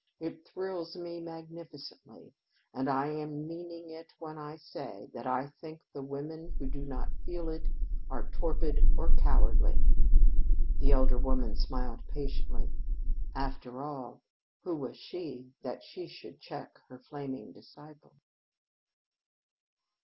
It thrills me magnificently, and I am meaning it when I say that I think the women who do not feel it are torpid or cowardly." The elder woman smiled patiently. After all, who was she that she should check her flaming disciple?